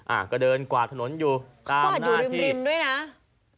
อ่ากระเดินกว่าถนนอยู่ตามหน้าที่เขาก็อาจอยู่ริมด้วยนะ